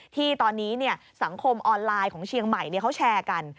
ที่ตอนนี้สังคมออนไลน์ของเชียงใหม่เขาแชร์กัน